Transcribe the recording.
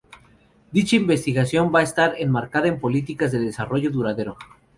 Dicha investigación va a estar enmarcada en políticas de desarrollo duradero.